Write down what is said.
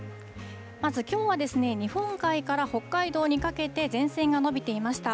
まず、きょうは日本海から北海道にかけて、前線が延びていました。